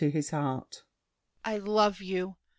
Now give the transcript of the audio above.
I love you!